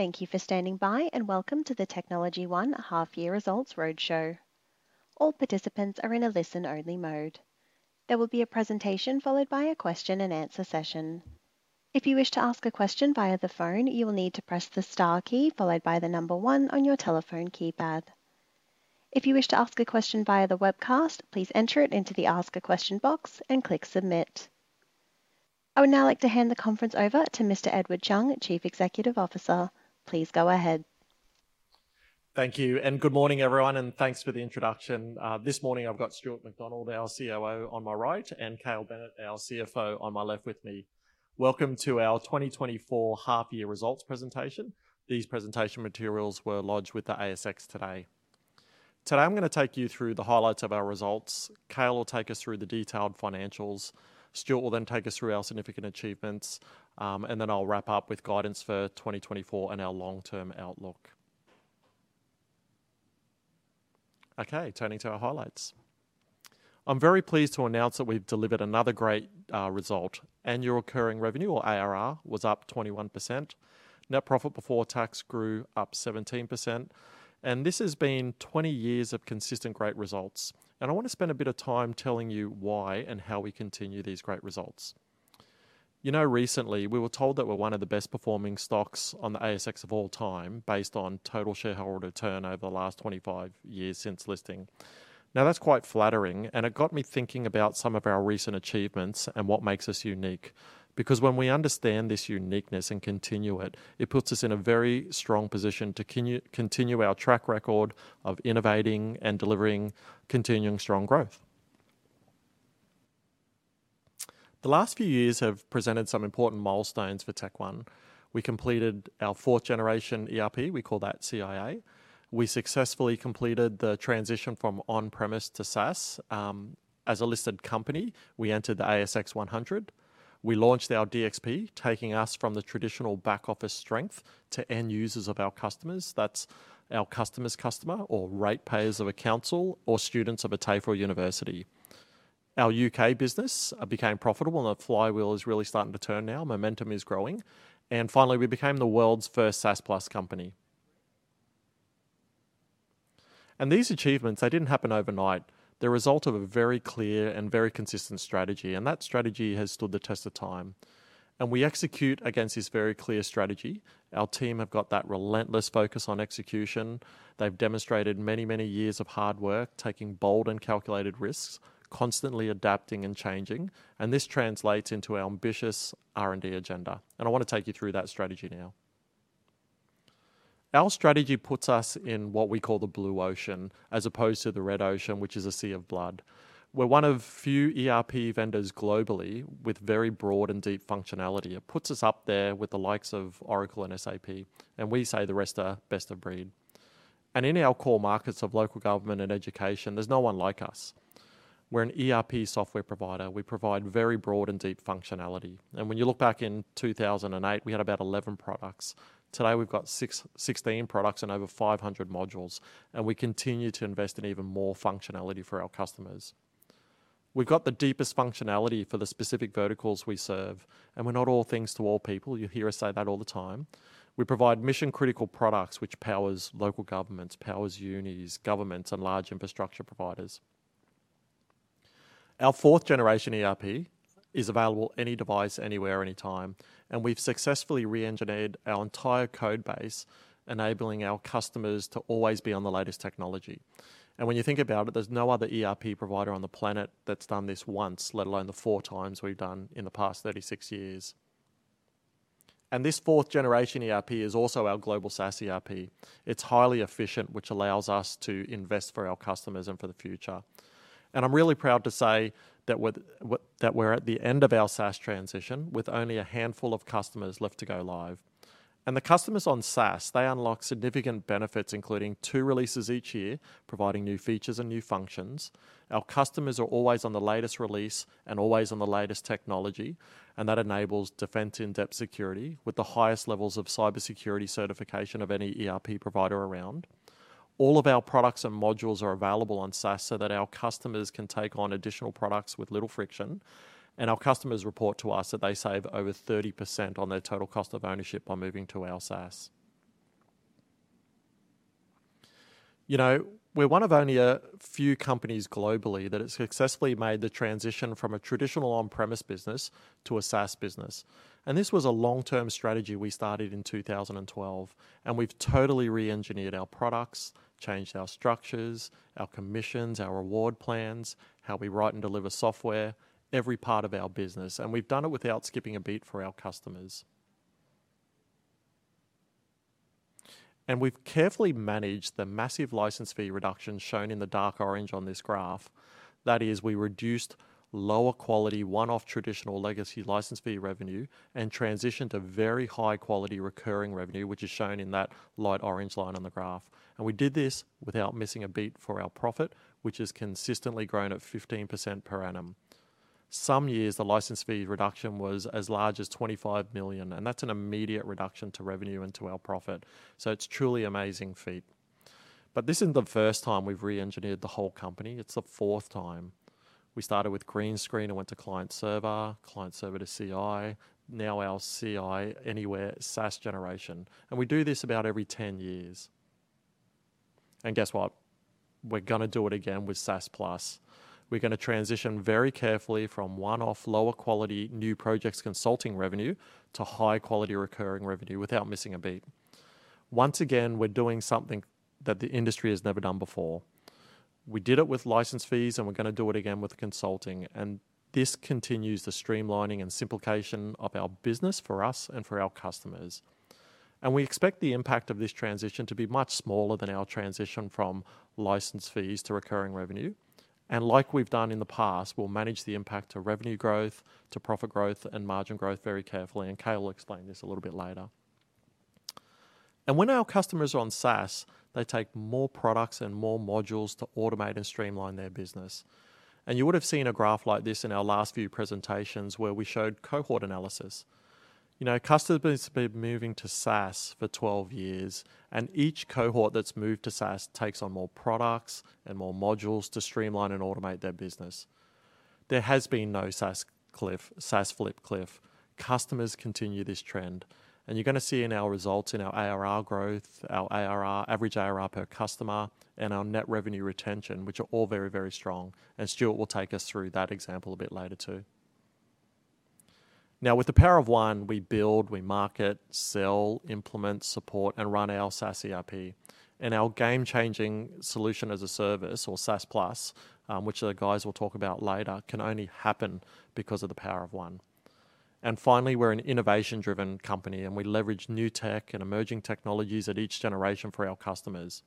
Thank you for standing by, and welcome to TechnologyOne Half Year Results Roadshow. All participants are in a listen-only mode. There will be a presentation followed by a question-and-answer session. If you wish to ask a question via the phone, you will need to press the star key followed by the number one on your telephone keypad. If you wish to ask a question via the webcast, please enter it into the Ask a Question box and click Submit. I would now like to hand the conference over to Mr. Edward Chung, Chief Executive Officer. Please go ahead. Thank you, and good morning, everyone, and thanks for the introduction. This morning I've got Stuart MacDonald, our COO, on my right, and Cale Bennett, our CFO, on my left with me. Welcome to our 2024 Half Year Results presentation. These presentation materials were lodged with the ASX today. Today, I'm going to take you through the highlights of our results. Cale will take us through the detailed Financials. Stuart will then take us through our significant achievements, and then I'll wrap up with guidance for 2024 and our long-term outlook. Okay, turning to our highlights. I'm very pleased to announce that we've delivered another great result. Annual recurring revenue, or ARR, was up 21%. Net profit before tax grew up 17%, and this has been 20 years of consistent, great results. And I want to spend a bit of time telling you why and how we continue these great results. You know, recently, we were told that we're one of the best-performing stocks on the ASX of all time, based on total shareholder return over the last 25 years since listing. Now, that's quite flattering, and it got me thinking about some of our recent achievements and what makes us unique, because when we understand this uniqueness and continue it, it puts us in a very strong position to continue our track record of innovating and delivering continuing strong growth. The last few years have presented some important milestones for TechOne. We completed our fourth generation ERP. We call that CiA. We successfully completed the transition from on-premise to SaaS. As a listed company, we entered the ASX 100. We launched our DXP, taking us from the traditional back-office strength to end users of our customers. That's our customer's customer, or ratepayers of a council, or students of a TAFE or university. Our U.K. business became profitable, and the flywheel is really starting to turn now. Momentum is growing. Finally, we became the world's first SaaS+ company. These achievements, they didn't happen overnight. They're result of a very clear and very consistent strategy, and that strategy has stood the test of time, and we execute against this very clear strategy. Our team have got that relentless focus on execution. They've demonstrated many, many years of hard work, taking bold and calculated risks, constantly adapting and changing, and this translates into our ambitious R&D agenda, and I want to take you through that strategy now. Our strategy puts us in what we call the blue ocean, as opposed to the red ocean, which is a sea of blood. We're one of few ERP vendors globally with very broad and deep functionality. It puts us up there with the likes of Oracle and SAP, and we say the rest are best of breed. In our core markets of local government and education, there's no one like us. We're an ERP software provider. We provide very broad and deep functionality. When you look back in 2008, we had about 11 products. Today, we've got 16 products and over 500 modules, and we continue to invest in even more functionality for our customers. We've got the deepest functionality for the specific verticals we serve, and we're not all things to all people. You hear us say that all the time. We provide mission-critical products, which powers local governments, powers unis, governments, and large infrastructure providers. Our fourth generation ERP is available any device, anywhere, anytime, and we've successfully reengineered our entire code base, enabling our customers to always be on the latest technology. When you think about it, there's no other ERP provider on the planet that's done this once, let alone the 4x we've done in the past 36 years. This fourth generation ERP is also our global SaaS ERP. It's highly efficient, which allows us to invest for our customers and for the future. I'm really proud to say that we're that we're at the end of our SaaS transition, with only a handful of customers left to go live. The customers on SaaS, they unlock significant benefits, including 2 releases each year, providing new features and new functions. Our customers are always on the latest release and always on the latest technology, and that enables defense-in-depth security with the highest levels of cybersecurity certification of any ERP provider around. All of our products and modules are available on SaaS so that our customers can take on additional products with little friction, and our customers report to us that they save over 30% on their total cost of ownership by moving to our SaaS. You know, we're one of only a few companies globally that has successfully made the transition from a traditional on-premise business to a SaaS business. This was a long-term strategy we started in 2012, and we've totally reengineered our products, changed our structures, our commissions, our reward plans, how we write and deliver software, every part of our business, and we've done it without skipping a beat for our customers. We've carefully managed the massive license fee reduction shown in the dark orange on this graph. That is, we reduced lower quality, one-off, traditional legacy license fee revenue and transitioned to very high-quality recurring revenue, which is shown in that light orange line on the graph. We did this without missing a beat for our profit, which has consistently grown at 15% per annum. Some years, the license fee reduction was as large as 25 million, and that's an immediate reduction to revenue and to our profit, so it's a truly amazing feat... But this isn't the first time we've reengineered the whole company, it's the fourth time. We started with green screen and went to client-server, client-server to Ci, now our Ci Anywhere SaaS generation, and we do this about every 10 years. Guess what? We're gonna do it again with SaaS+. We're gonna transition very carefully from one-off, lower quality, new projects consulting revenue to high quality recurring revenue without missing a beat. Once again, we're doing something that the industry has never done before. We did it with license fees, and we're gonna do it again with consulting, and this continues the streamlining and simplification of our business for us and for our customers. We expect the impact of this transition to be much smaller than our transition from license fees to recurring revenue. Like we've done in the past, we'll manage the impact to revenue growth, to profit growth, and margin growth very carefully, and Cale will explain this a little bit later. When our customers are on SaaS, they take more products and more modules to automate and streamline their business. You would have seen a graph like this in our last few presentations, where we showed cohort analysis. You know, customers have been moving to SaaS for 12 years, and each cohort that's moved to SaaS takes on more products and more modules to streamline and automate their business. There has been no SaaS cliff, SaaS Flip cliff. Customers continue this trend, and you're gonna see in our results, in our ARR growth, our ARR, average ARR per customer, and our net revenue retention, which are all very, very strong, and Stuart will take us through that example a bit later, too. Now, with the Power of One, we build, we market, sell, implement, support, and run our SaaS ERP. Our game-changing solution as a service, or SaaS+, which the guys will talk about later, can only happen because of the Power of One. And finally, we're an innovation-driven company, and we leverage new tech and emerging technologies at each generation for our customers.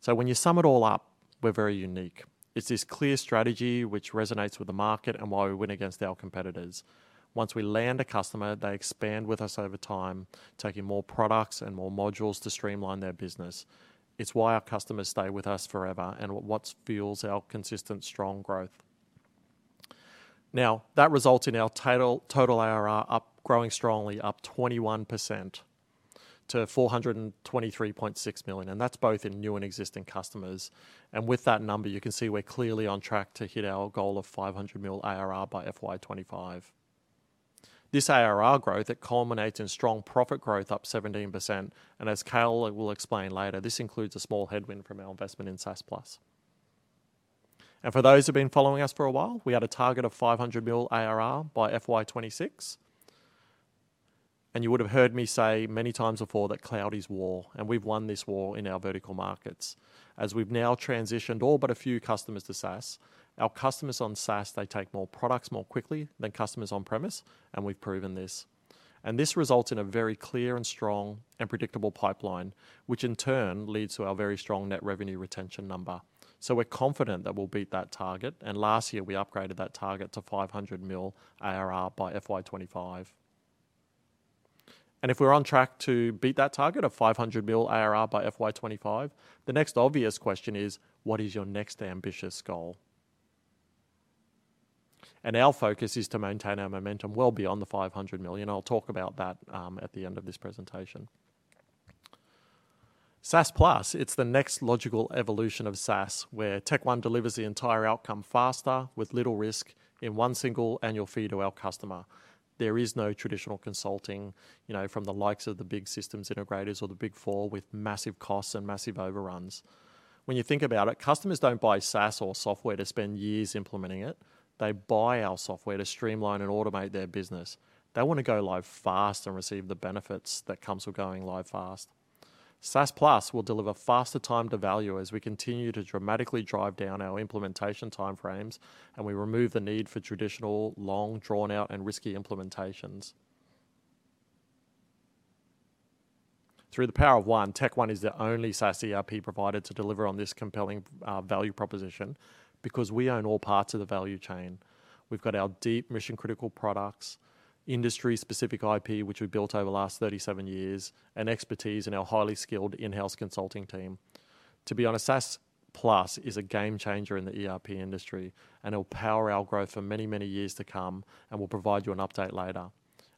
So when you sum it all up, we're very unique. It's this clear strategy which resonates with the market and why we win against our competitors. Once we land a customer, they expand with us over time, taking more products and more modules to streamline their business. It's why our customers stay with us forever and what, what fuels our consistent, strong growth. Now, that results in our title-- total ARR up, growing strongly, up 21% to 423.6 million, and that's both in new and existing customers. And with that number, you can see we're clearly on track to hit our goal of 500 million ARR by FY 2025. This ARR growth, it culminates in strong profit growth, up 17%, and as Cale will explain later, this includes a small headwind from our investment in SaaS+. For those who've been following us for a while, we had a target of 500 million ARR by FY 2026. You would have heard me say many times before that cloud is war, and we've won this war in our vertical markets. As we've now transitioned all but a few customers to SaaS, our customers on SaaS, they take more products more quickly than customers on-premise, and we've proven this. This results in a very clear and strong and predictable pipeline, which in turn leads to our very strong net revenue retention number. So we're confident that we'll beat that target, and last year we upgraded that target to 500 million ARR by FY 2025. If we're on track to beat that target of 500 million ARR by FY 2025, the next obvious question is: What is your next ambitious goal? Our focus is to maintain our momentum well beyond the 500 million. I'll talk about that at the end of this presentation. SaaS+, it's the next logical evolution of SaaS, where TechOne delivers the entire outcome faster, with little risk, in one single annual fee to our customer. There is no traditional consulting, you know, from the likes of the big systems integrators or the Big Four, with massive costs and massive overruns. When you think about it, customers don't buy SaaS or software to spend years implementing it. They buy our software to streamline and automate their business. They want to go live fast and receive the benefits that comes with going live fast. SaaS+ will deliver faster time to value as we continue to dramatically drive down our implementation time frames, and we remove the need for traditional, long, drawn-out, and risky implementations. Through the Power of One, TechOne is the only SaaS ERP provider to deliver on this compelling value proposition because we own all parts of the value chain. We've got our deep mission-critical products, industry-specific IP, which we've built over the last 37 years, and expertise in our highly skilled in-house consulting team. To be honest, SaaS+ is a game changer in the ERP industry, and it'll power our growth for many, many years to come, and we'll provide you an update later.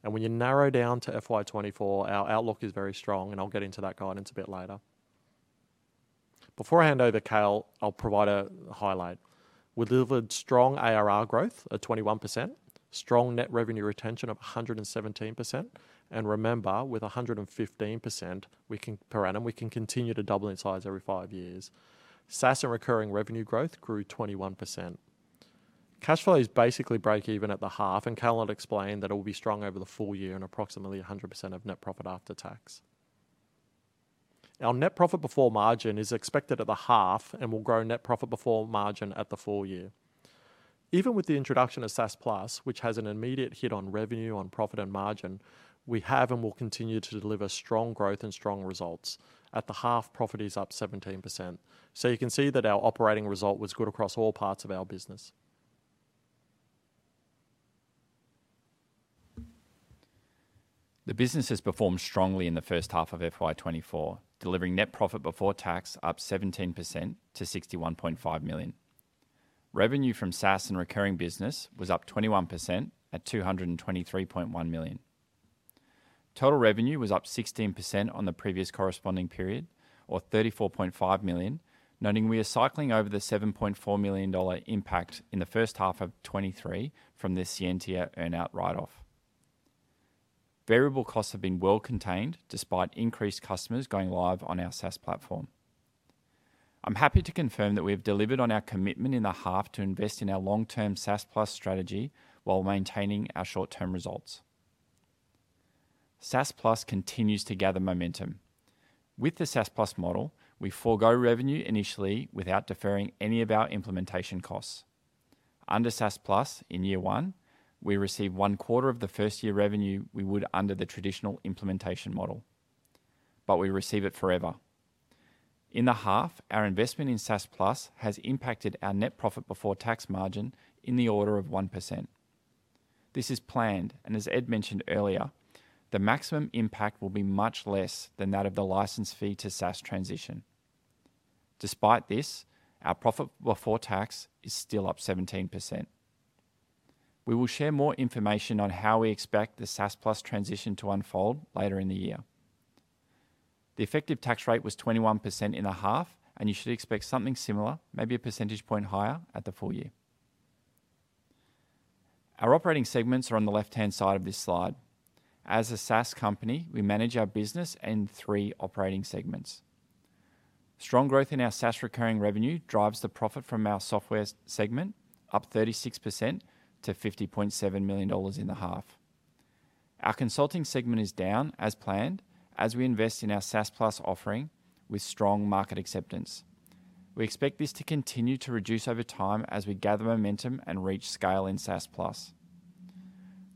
When you narrow down to FY 2024, our outlook is very strong, and I'll get into that guidance a bit later. Before I hand over to Cale, I'll provide a highlight. We delivered strong ARR growth of 21%, strong net revenue retention of 117%, and remember, with 115%, we can... per annum, we can continue to double in size every five years. SaaS and recurring revenue growth grew 21%. Cash flows basically break even at the half, and Cale will explain that it will be strong over the full year and approximately 100% of net profit after tax. Our net profit before margin is expected at the half and will grow net profit before margin at the full year. Even with the introduction of SaaS+, which has an immediate hit on revenue, on profit, and margin, we have and will continue to deliver strong growth and strong results. At the half, profit is up 17%. So you can see that our operating result was good across all parts of our business. The business has performed strongly in the first half of FY 2024, delivering net profit before tax up 17% to 61.5 million. Revenue from SaaS and recurring business was up 21% at 223.1 million.... Total revenue was up 16% on the previous corresponding period, or 34.5 million, noting we are cycling over the 7.4 million dollar impact in the first half of 2023 from the Scientia earn-out write-off. Variable costs have been well contained despite increased customers going live on our SaaS platform. I'm happy to confirm that we have delivered on our commitment in the half to invest in our long-term SaaS+ strategy while maintaining our short-term results. SaaS+ continues to gather momentum. With the SaaS+ model, we forego revenue initially without deferring any of our implementation costs. Under SaaS+, in year one, we receive one quarter of the first-year revenue we would under the traditional implementation model, but we receive it forever. In the half, our investment in SaaS+ has impacted our net profit before tax margin in the order of 1%. This is planned, and as Ed mentioned earlier, the maximum impact will be much less than that of the license fee to SaaS transition. Despite this, our profit before tax is still up 17%. We will share more information on how we expect the SaaS+ transition to unfold later in the year. The effective tax rate was 21% in the half, and you should expect something similar, maybe a percentage point higher at the full year. Our operating segments are on the left-hand side of this slide. As a SaaS company, we manage our business in three operating segments. Strong growth in our SaaS recurring revenue drives the profit from our software segment, up 36% to 50.7 million dollars in the half. Our consulting segment is down as planned, as we invest in our SaaS+ offering with strong market acceptance. We expect this to continue to reduce over time as we gather momentum and reach scale in SaaS+.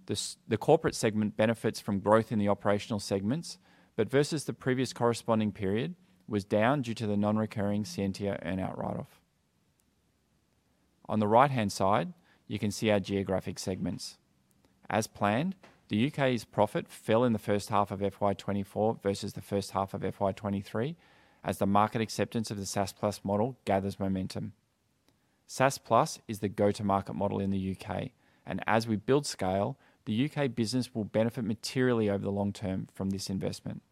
The corporate segment benefits from growth in the operational segments, but versus the previous corresponding period, was down due to the non-recurring Scientia earn-out write-off. On the right-hand side, you can see our geographic segments. As planned, the U.K.'s profit fell in the first half of FY 2024 versus the first half of FY 2023, as the market acceptance of the SaaS+ model gathers momentum. SaaS+ is the go-to-market model in the U.K., and as we build scale, the U.K. business will benefit materially over the long term from this investment.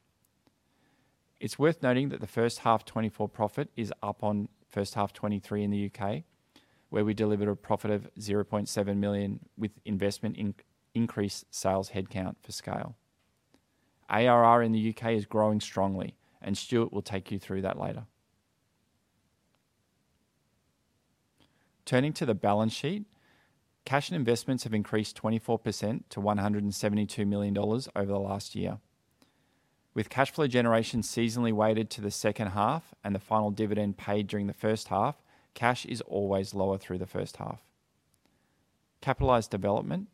It's worth noting that the first half 2024 profit is up on first half 2023 in the U.K., where we delivered a profit of 0.7 million with investment in increased sales headcount for scale. ARR in the U.K. is growing strongly, and Stuart will take you through that later. Turning to the balance sheet, cash and investments have increased 24% to 172 million dollars over the last year. With cash flow generation seasonally weighted to the second half and the final dividend paid during the first half, cash is always lower through the first half. Capitalized development.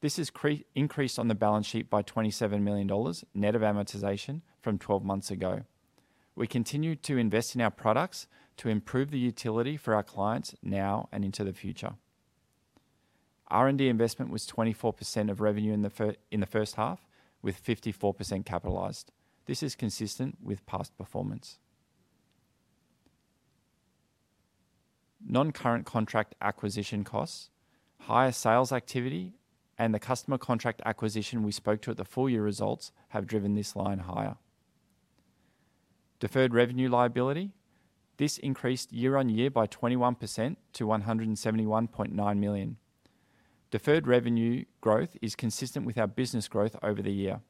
This has increased on the balance sheet by 27 million dollars, net of amortization from 12 months ago. We continued to invest in our products to improve the utility for our clients now and into the future. R&D investment was 24% of revenue in the first half, with 54% capitalized. This is consistent with past performance. Non-current contract acquisition costs, higher sales activity, and the customer contract acquisition we spoke to at the full-year results have driven this line higher. Deferred revenue liability. This increased year-on-year by 21% to 171.9 million. Deferred revenue growth is consistent with our business growth over the year.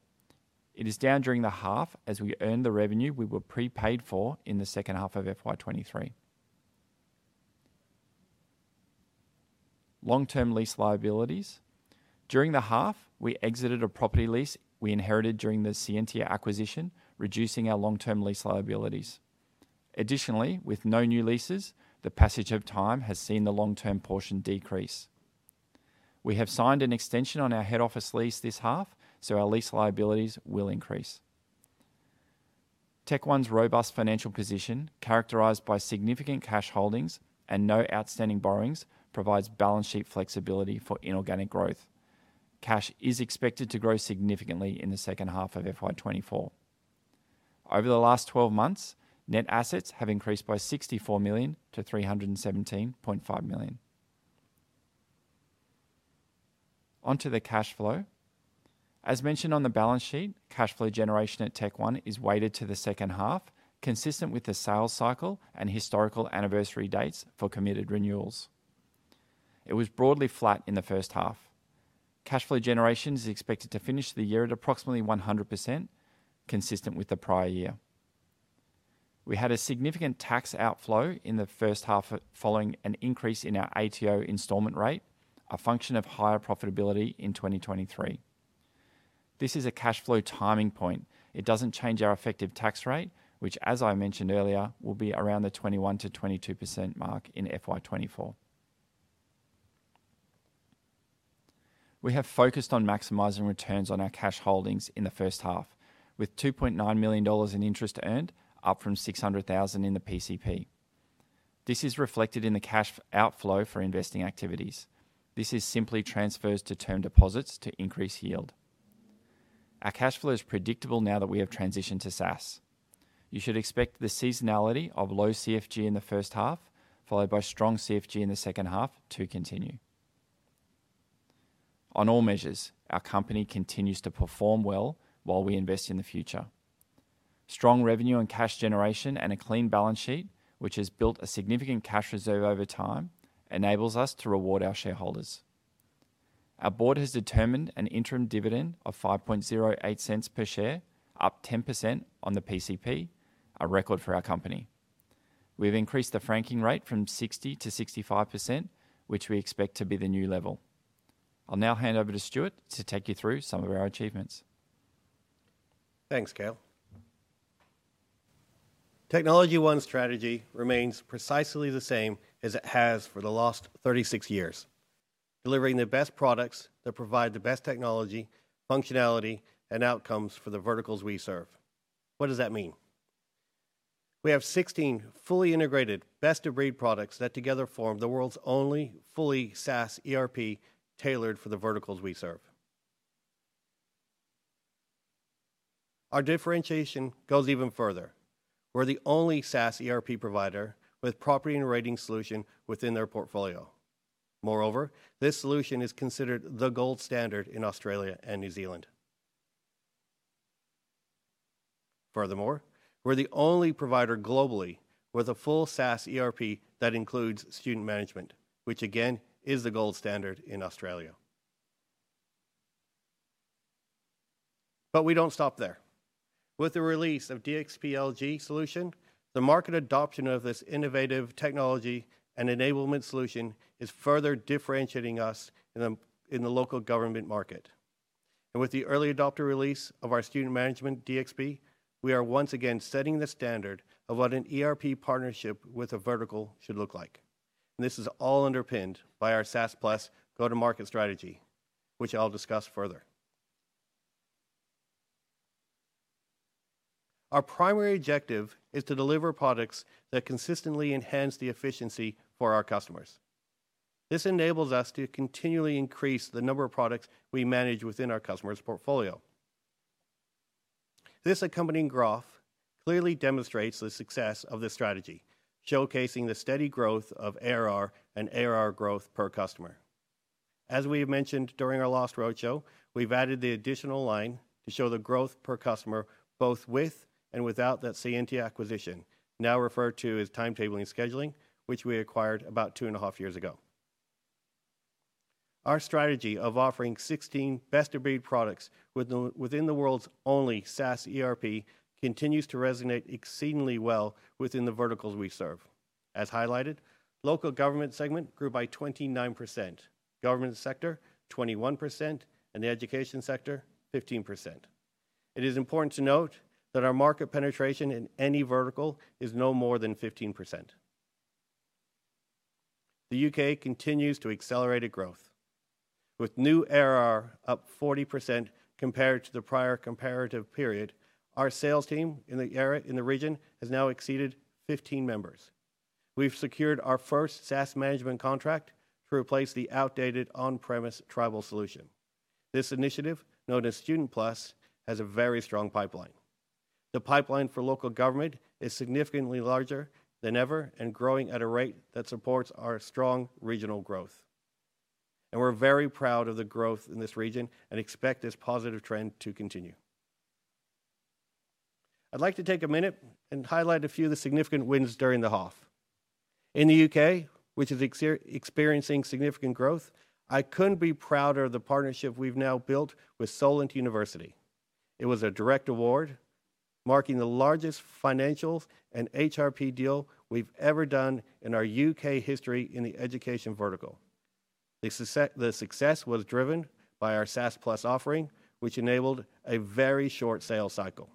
It is down during the half as we earned the revenue we were prepaid for in the second half of FY 2023. Long-term lease liabilities. During the half, we exited a property lease we inherited during the Scientia acquisition, reducing our long-term lease liabilities. Additionally, with no new leases, the passage of time has seen the long-term portion decrease. We have signed an extension on our head office lease this half, so our lease liabilities will increase. TechOne's robust financial position, characterized by significant cash holdings and no outstanding borrowings, provides balance sheet flexibility for inorganic growth. Cash is expected to grow significantly in the second half of FY 2024. Over the last 12 months, net assets have increased by 64 million to 317.5 million. On to the cash flow. As mentioned on the balance sheet, cash flow generation at TechOne is weighted to the second half, consistent with the sales cycle and historical anniversary dates for committed renewals. It was broadly flat in the first half. Cash flow generation is expected to finish the year at approximately 100%, consistent with the prior year. We had a significant tax outflow in the first half, following an increase in our ATO installment rate, a function of higher profitability in 2023. This is a cash flow timing point. It doesn't change our effective tax rate, which, as I mentioned earlier, will be around the 21%-22% mark in FY 2024. We have focused on maximizing returns on our cash holdings in the first half, with 2.9 million dollars in interest earned, up from 600,000 in the PCP. This is reflected in the cash outflow for investing activities. This is simply transfers to term deposits to increase yield. Our cash flow is predictable now that we have transitioned to SaaS.... You should expect the seasonality of low CFG in the first half, followed by strong CFG in the second half, to continue. On all measures, our company continues to perform well while we invest in the future. Strong revenue and cash generation and a clean balance sheet, which has built a significant cash reserve over time, enables us to reward our shareholders. Our board has determined an interim dividend of 0.0508 per share, up 10% on the PCP, a record for our company. We've increased the franking rate from 60% to 65%, which we expect to be the new level. I'll now hand over to Stuart to take you through some of our achievements. Thanks, TechnologyOne's strategy remains precisely the same as it has for the last 36 years: delivering the best products that provide the best technology, functionality, and outcomes for the verticals we serve. What does that mean? We have 16 fully integrated, best-of-breed products that together form the world's only fully SaaS ERP, tailored for the verticals we serve. Our differentiation goes even further. We're the only SaaS ERP provider with Property and Rating solution within their portfolio. Moreover, this solution is considered the gold standard in Australia and New Zealand. Furthermore, we're the only provider globally with a full SaaS ERP that includes Student Management, which again, is the gold standard in Australia. But we don't stop there. With the release of DXP LG solution, the market adoption of this innovative technology and enablement solution is further differentiating us in the local government market. With the early adopter release of our student management DXP, we are once again setting the standard of what an ERP partnership with a vertical should look like. This is all underpinned by our SaaS+ go-to-market strategy, which I'll discuss further. Our primary objective is to deliver products that consistently enhance the efficiency for our customers. This enables us to continually increase the number of products we manage within our customer's portfolio. This accompanying growth clearly demonstrates the success of this strategy, showcasing the steady growth of ARR and ARR growth per customer. As we mentioned during our last roadshow, we've added the additional line to show the growth per customer, both with and without that Scientia acquisition, now referred to as timetabling and scheduling, which we acquired about 2.5 years ago. Our strategy of offering 16 best-of-breed products within the world's only SaaS ERP continues to resonate exceedingly well within the verticals we serve. As highlighted, local government segment grew by 29%, government sector, 21%, and the education sector, 15%. It is important to note that our market penetration in any vertical is no more than 15%. The U.K. continues to accelerate its growth, with new ARR up 40% compared to the prior comparative period. Our sales team in the region has now exceeded 15 members. We've secured our first SaaS management contract to replace the outdated on-premise Tribal solution. This initiative, known as Student Plus, has a very strong pipeline. The pipeline for local government is significantly larger than ever and growing at a rate that supports our strong regional growth. We're very proud of the growth in this region and expect this positive trend to continue. I'd like to take a minute and highlight a few of the significant wins during the half. In the U.K., which is experiencing significant growth, I couldn't be prouder of the partnership we've now built with Solent University. It was a direct award, marking the largest financials and HRP deal we've ever done in our U.K. history in the education vertical. The success was driven by our SaaS+ offering, which enabled a very short sales cycle.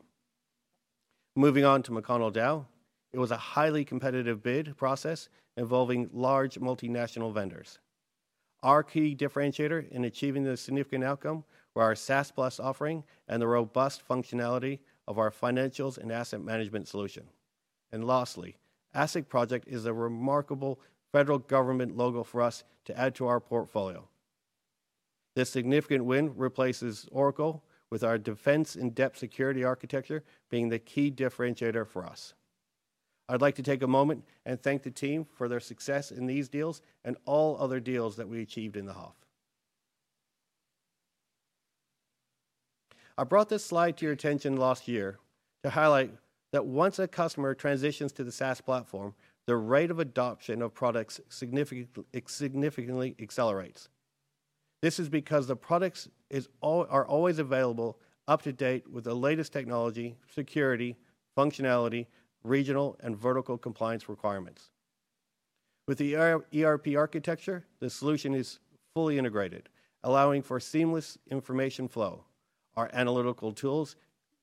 Moving on to McConnell Dowell, it was a highly competitive bid process involving large multinational vendors. Our key differentiator in achieving this significant outcome were our SaaS+ offering and the robust functionality of our financials and Asset Management solution. And lastly, ASIC project is a remarkable federal government logo for us to add to our portfolio. This significant win replaces Oracle with our Defense in Depth security architecture being the key differentiator for us. I'd like to take a moment and thank the team for their success in these deals and all other deals that we achieved in the half. I brought this slide to your attention last year to highlight that once a customer transitions to the SaaS platform, the rate of adoption of products significantly, significantly accelerates. This is because the products are always available, up to date with the latest technology, security, functionality, regional, and vertical compliance requirements. With our ERP architecture, the solution is fully integrated, allowing for seamless information flow. Our analytical tools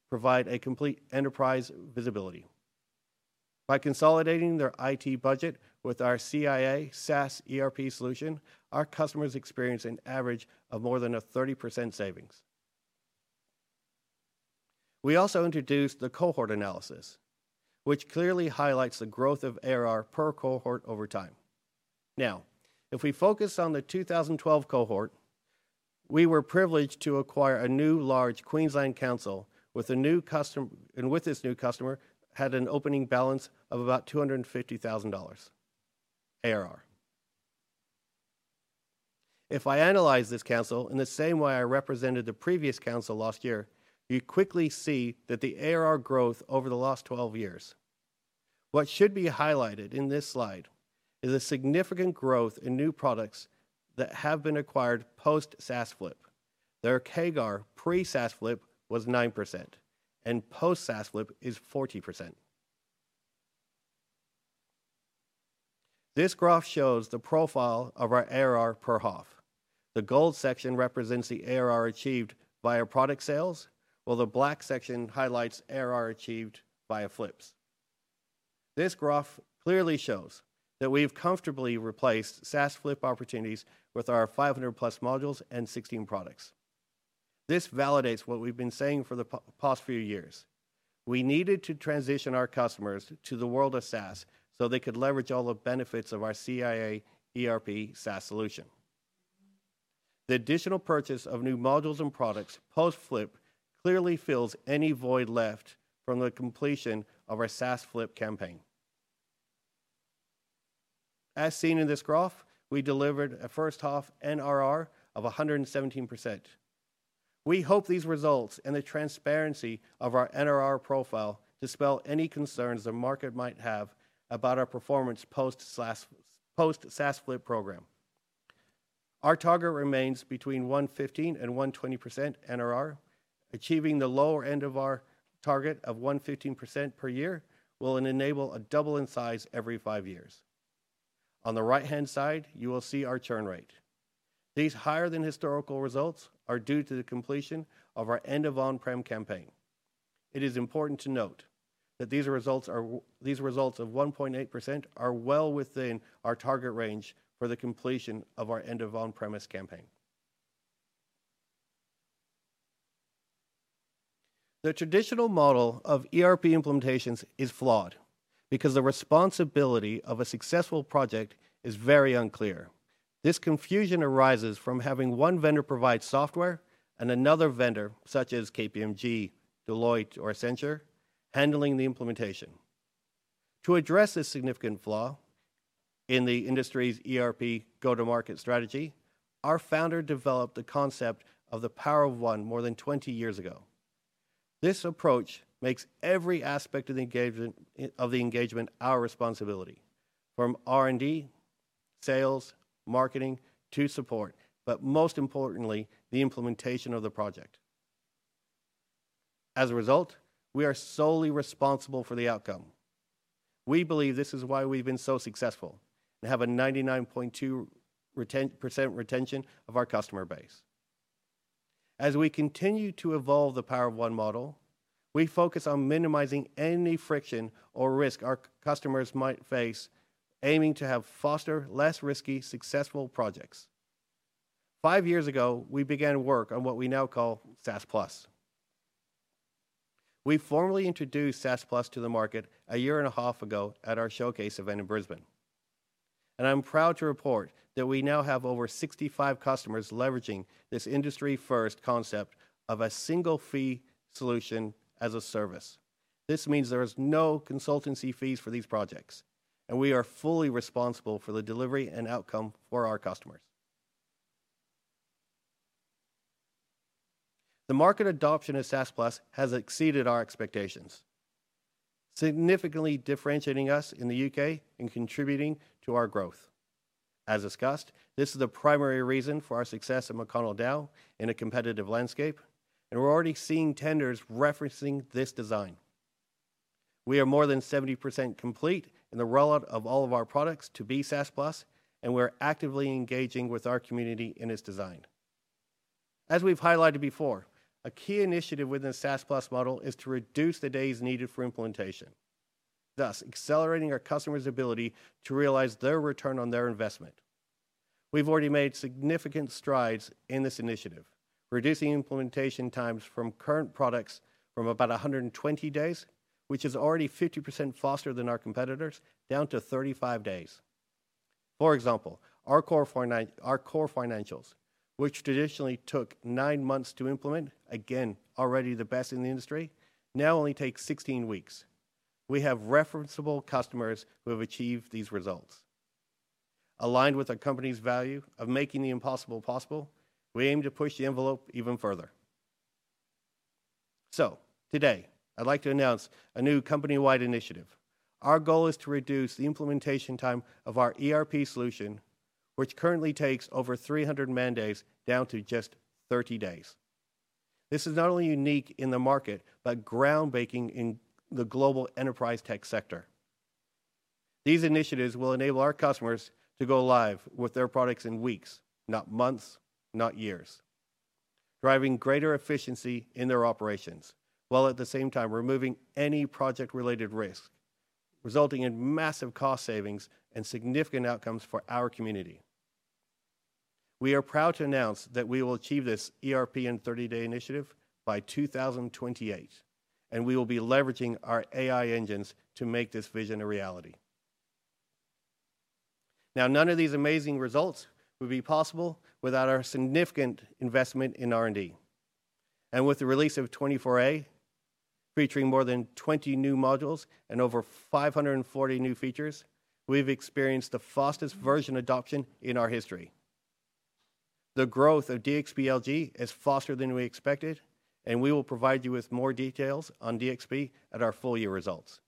provide a complete enterprise visibility. By consolidating their IT budget with our CiA SaaS ERP solution, our customers experience an average of more than 30% savings. We also introduced the cohort analysis, which clearly highlights the growth of ARR per cohort over time. Now, if we focus on the 2012 cohort. We were privileged to acquire a new large Queensland council, with a new customer—and with this new customer, had an opening balance of about 250,000 dollars ARR. If I analyze this council in the same way I represented the previous council last year, you quickly see that the ARR growth over the last 12 years. What should be highlighted in this slide is a significant growth in new products that have been acquired post-SaaS Flip. Their CAGR pre-SaaS Flip was 9%, and post-SaaS Flip is 40%. This graph shows the profile of our ARR per half. The gold section represents the ARR achieved via product sales, while the black section highlights ARR achieved via flips. This graph clearly shows that we've comfortably replaced SaaS Flip opportunities with our 500+ modules and 16 products. This validates what we've been saying for the past few years. We needed to transition our customers to the world of SaaS, so they could leverage all the benefits of our CiA ERP SaaS solution. The additional purchase of new modules and products post-flip clearly fills any void left from the completion of our SaaS Flip campaign. As seen in this graph, we delivered a first-half NRR of 117%. We hope these results and the transparency of our NRR profile dispel any concerns the market might have about our performance post-SaaS Flip program. Our target remains between 115% and 120% NRR. Achieving the lower end of our target of 115% per year will enable a double in size every 5 years. On the right-hand side, you will see our churn rate. These higher than historical results are due to the completion of our end-of-on-premise campaign. It is important to note that these results of 1.8% are well within our target range for the completion of our end-of-on-premise campaign. The traditional model of ERP implementations is flawed because the responsibility of a successful project is very unclear. This confusion arises from having one vendor provide software and another vendor, such as KPMG, Deloitte, or Accenture, handling the implementation. To address this significant flaw in the industry's ERP go-to-market strategy, our founder developed the concept of the Power of One more than 20 years ago. This approach makes every aspect of the engagement our responsibility, from R&D, sales, marketing, to support, but most importantly, the implementation of the project. As a result, we are solely responsible for the outcome. We believe this is why we've been so successful and have a 99.2% retention of our customer base. As we continue to evolve the Power of One model, we focus on minimizing any friction or risk our customers might face, aiming to have faster, less risky, successful projects. Five years ago, we began work on what we now call SaaS+. We formally introduced SaaS+ to the market a year and a half ago at our showcase event in Brisbane, and I'm proud to report that we now have over 65 customers leveraging this industry-first concept of a single-fee solution as a service. This means there is no consultancy fees for these projects, and we are fully responsible for the delivery and outcome for our customers. The market adoption of SaaS+ has exceeded our expectations, significantly differentiating us in the U.K. and contributing to our growth. As discussed, this is the primary reason for our success at McConnell Dowell in a competitive landscape, and we're already seeing tenders referencing this design. We are more than 70% complete in the rollout of all of our products to be SaaS+, and we're actively engaging with our community in its design. As we've highlighted before, a key initiative within the SaaS+ model is to reduce the days needed for implementation, thus accelerating our customers' ability to realize their return on their investment. We've already made significant strides in this initiative, reducing implementation times from current products from about 120 days, which is already 50% faster than our competitors, down to 35 days. For example, our core financials, which traditionally took 9 months to implement, again, already the best in the industry, now only takes 16 weeks. We have referenceable customers who have achieved these results. Aligned with our company's value of making the impossible possible, we aim to push the envelope even further. So today, I'd like to announce a new company-wide initiative. Our goal is to reduce the implementation time of our ERP solution, which currently takes over 300 man days, down to just 30 days. This is not only unique in the market, but groundbreaking in the global enterprise tech sector. These initiatives will enable our customers to go live with their products in weeks, not months, not years, driving greater efficiency in their operations, while at the same time removing any project-related risk, resulting in massive cost savings and significant outcomes for our community. We are proud to announce that we will achieve this ERP in 30-day initiative by 2028, and we will be leveraging our AI engines to make this vision a reality. Now, none of these amazing results would be possible without our significant investment in R&D. With the release of 24A, featuring more than 20 new modules and over 540 new features, we've experienced the fastest version adoption in our history. The growth of DXP LG is faster than we expected, and we will provide you with more details on DXP at our full year results.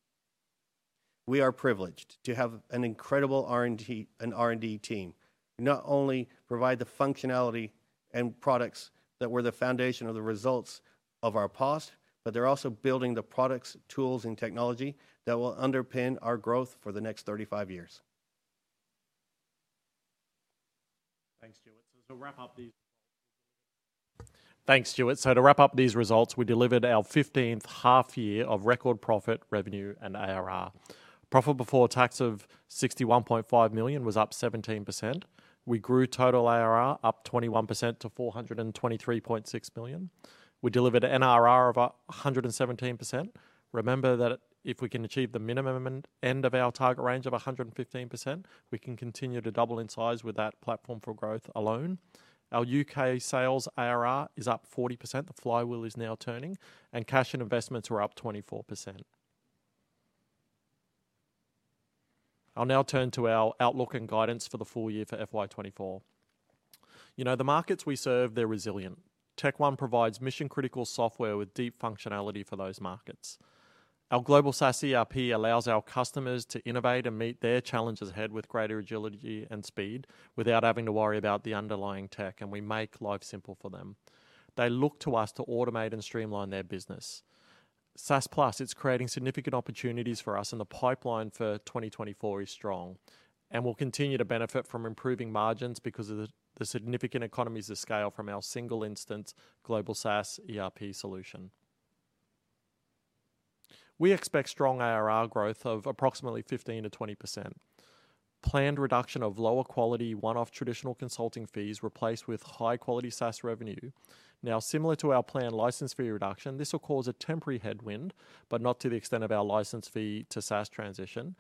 We are privileged to have an incredible R&D team, who not only provide the functionality and products that were the foundation of the results of our past, but they're also building the products, tools, and technology that will underpin our growth for the next 35 years. Thanks, Stuart. So to wrap up these results, we delivered our 15th half year of record profit, revenue, and ARR. Profit before tax of 61.5 million was up 17%. We grew total ARR, up 21% to 423.6 million. We delivered an NRR of 117%. Remember that if we can achieve the minimum end of our target range of 115%, we can continue to double in size with that platform for growth alone. Our U.K. sales ARR is up 40%, the flywheel is now turning, and cash and investments are up 24%. I'll now turn to our outlook and guidance for the full year for FY 2024. You know, the markets we serve, they're resilient. TechOne provides mission-critical software with deep functionality for those markets. Our global SaaS ERP allows our customers to innovate and meet their challenges ahead with greater agility and speed, without having to worry about the underlying tech, and we make life simple for them. They look to us to automate and streamline their business. SaaS+, it's creating significant opportunities for us, and the pipeline for 2024 is strong. We'll continue to benefit from improving margins because of the significant economies of scale from our single instance global SaaS ERP solution. We expect strong ARR growth of approximately 15%-20%. Planned reduction of lower quality, one-off traditional consulting fees replaced with high-quality SaaS revenue. Now, similar to our planned license fee reduction, this will cause a temporary headwind, but not to the extent of our license fee to SaaS transition,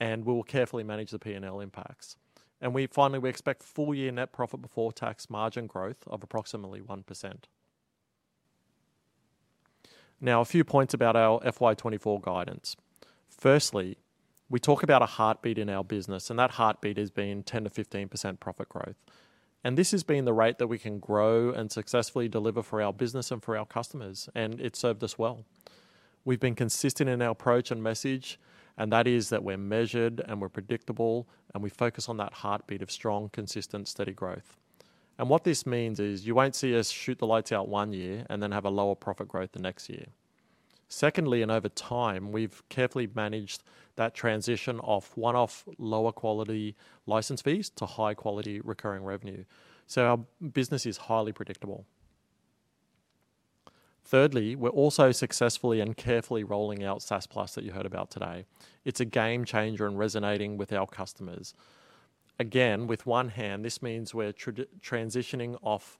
and we will carefully manage the P&L impacts. And finally, we expect full year Net Profit Before Tax margin growth of approximately 1%. Now, a few points about our FY 2024 guidance. Firstly, we talk about a heartbeat in our business, and that heartbeat has been 10%-15% profit growth. And this has been the rate that we can grow and successfully deliver for our business and for our customers, and it served us well. We've been consistent in our approach and message, and that is that we're measured, and we're predictable, and we focus on that heartbeat of strong, consistent, steady growth. And what this means is, you won't see us shoot the lights out one year and then have a lower profit growth the next year. Secondly, and over time, we've carefully managed that transition of one-off, lower quality license fees to high quality recurring revenue. So our business is highly predictable. Thirdly, we're also successfully and carefully rolling out SaaS+ that you heard about today. It's a game changer and resonating with our customers. Again, with one hand, this means we're transitioning off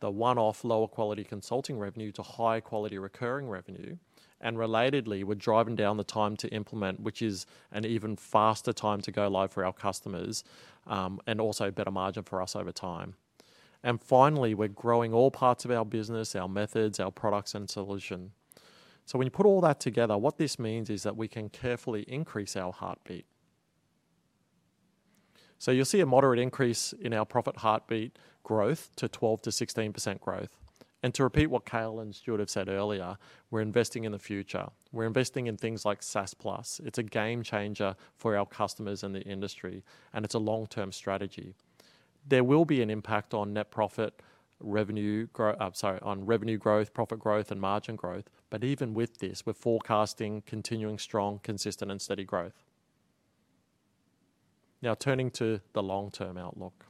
the one-off, lower quality consulting revenue to high quality recurring revenue. And relatedly, we're driving down the time to implement, which is an even faster time to go live for our customers, and also better margin for us over time. And finally, we're growing all parts of our business, our methods, our products, and solution. So when you put all that together, what this means is that we can carefully increase our heartbeat. So you'll see a moderate increase in our profit heartbeat growth to 12%-16% growth. And to repeat what Cale and Stuart have said earlier, we're investing in the future. We're investing in things like SaaS+. It's a game changer for our customers and the industry, and it's a long-term strategy. There will be an impact on net profit, revenue grow-- I'm sorry, on revenue growth, profit growth, and margin growth. But even with this, we're forecasting continuing strong, consistent, and steady growth. Now, turning to the long-term outlook.